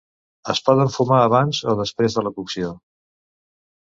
Es poden fumar abans o després de la cocció.